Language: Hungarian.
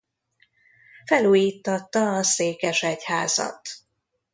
Felújíttatta a székesegyházat.